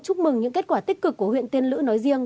chúc mừng những kết quả tích cực của huyện tiên lữ nói riêng